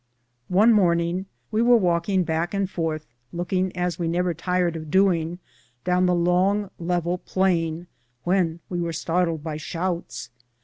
One morning we were walking back and forth, looking, as we never tired of doing, down the long, level plain, when we were startled by shouts.